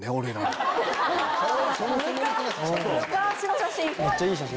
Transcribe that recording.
昔の写真！